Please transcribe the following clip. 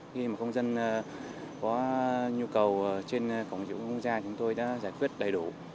khi mà công dân có nhu cầu trên cổng dịch vụ công quốc gia chúng tôi đã giải quyết đầy đủ